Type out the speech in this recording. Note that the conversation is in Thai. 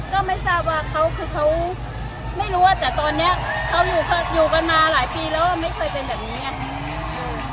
ก็ไม่ทราบว่าเขาคือเขาไม่รู้ว่าแต่ตอนนี้เขาอยู่กันมาหลายปีแล้วไม่เคยเป็นแบบนี้ไง